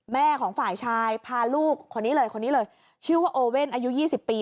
แม่ของฝ่ายชายพาลูกคนนี้เลยคนนี้เลยชื่อว่าโอเว่นอายุ๒๐ปี